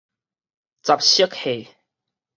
雜色貨